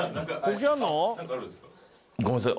ごめんなさい